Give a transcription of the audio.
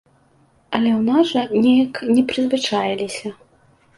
Але ў нас жа неяк не прызвычаіліся.